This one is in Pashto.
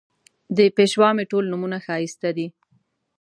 د پېشوا مې ټول نومونه ښایسته دي